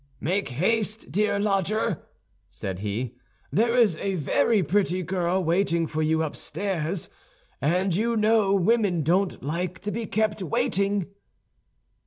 "Make haste, dear lodger," said he; "there is a very pretty girl waiting for you upstairs; and you know women don't like to be kept waiting."